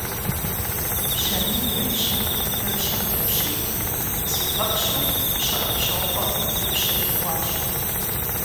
Бжьамий епщэу выпщэм дэпщейри, зигъэпщу Пщыӏэпщокъуэ ипщэкӏэ кӏуащ.